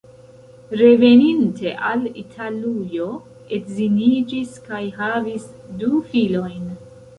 Reveninte al Italujo edziniĝis kaj havis du filojn.